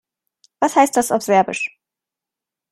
Was heißt das auf Serbisch?